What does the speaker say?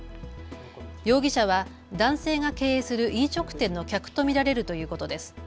容疑者は男性が経営する飲食店の客と見られるということです。